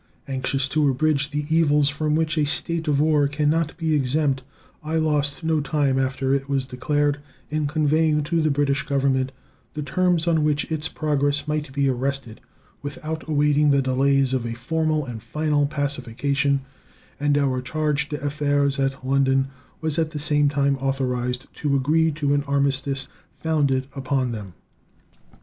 Anxious to abridge the evils from which a state of war can not be exempt, I lost no time after it was declared in conveying to the British Government the terms on which its progress might be arrested, without awaiting the delays of a formal and final pacification, and our charge d'affaires at London was at the same time authorized to agree to an armistice founded upon them.